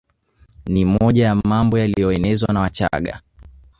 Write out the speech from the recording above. Ni moja ya mambo yaliyoenezwa na Wachagga